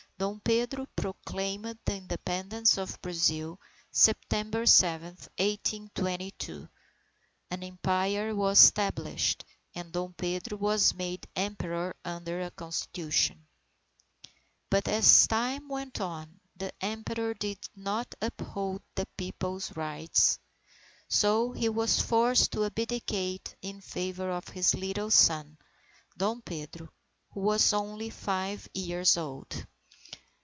Dom Pedro proclaimed the Independence of Brazil, September 7, 1822. An Empire was established, and Dom Pedro was made Emperor under a Constitution. But as time went on, the Emperor did not uphold the People's rights; so he was forced to abdicate in favour of his little son, Dom Pedro, who was only five years old.